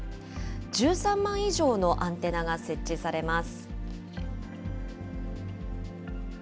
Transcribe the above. １３万以上のアンテナが設置されます。